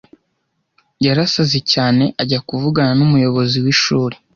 Yarasaze cyane ajya kuvugana numuyobozi wishuri.